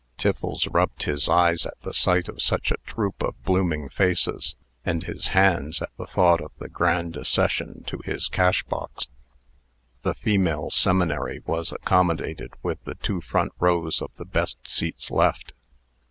Tiffles rubbed his eyes at the sight of such a troop of blooming faces, and his hands at the thought of the grand accession to his cash box. The female seminary was accommodated with the two front rows of the best seats left.